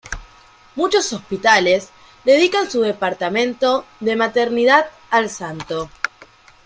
Muchos hospitales dedican su departamento de maternidad al santo.